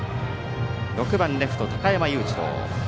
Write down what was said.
６番レフト高山裕次郎。